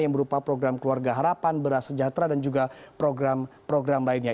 yang berupa program keluarga harapan beras sejahtera dan juga program program lainnya